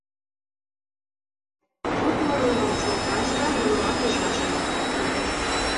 — Тутло лемым шолташ да нунымат ӱжаш ыле.